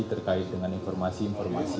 terkait dengan informasi